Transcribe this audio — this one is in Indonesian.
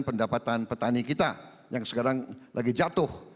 pendapatan petani kita yang sekarang lagi jatuh